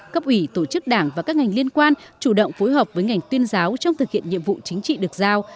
cấp ủy tổ chức đảng và các ngành liên quan chủ động phối hợp với ngành tuyên giáo trong thực hiện nhiệm vụ chính trị được giao